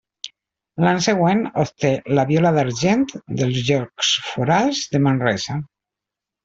L'any següent obté la Viola d'Argent dels Jocs Florals de Manresa.